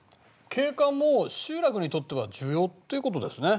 景観も集落にとっては重要っていうことですね。